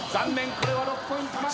これは６ポイントまで。